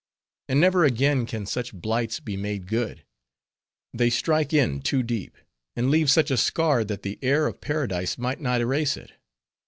And never again can such blights be made good; they strike in too deep, and leave such a scar that the air of Paradise might not erase it.